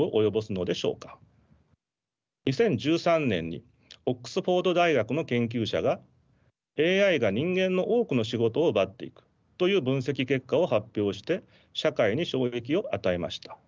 ２０１３年にオックスフォード大学の研究者がＡＩが人間の多くの仕事を奪っていくという分析結果を発表して社会に衝撃を与えました。